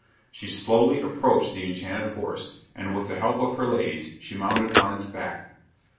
She slowly approached the enchanted horse, and with the help of her ladies, she mounted on its back.